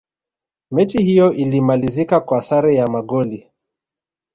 mechi hiyo ilimalizika kwa sare ya magoli